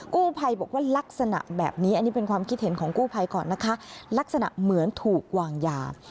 กูภัยบอกว่าลักษณะแบบนี้อันนี้เป็นความคิดเห็นของกูภัยก่อนนะคะ